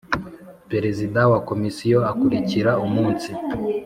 Perezida wa Komisiyo akurikira umunsi